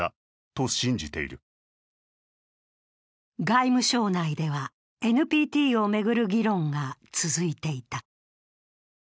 外務省内では、ＮＰＴを巡る議論が続いていた。